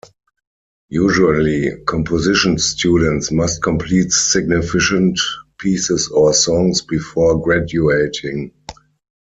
Usually, composition students must complete significant pieces or songs before graduating.